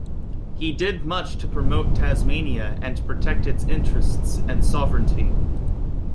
He did much to promote Tasmania and to protect its interests and sovereignty.